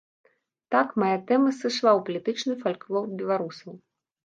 Так мая тэма сышла ў палітычны фальклор беларусаў.